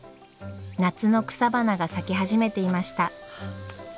夏の草花が咲き始めていました。